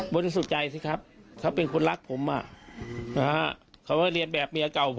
มีวันก่อนใช่ไหมครับ